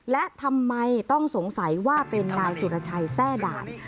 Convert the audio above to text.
และทำไมต้องสงสัยว่าเป็นนายสุรชัยแทร่ด่าน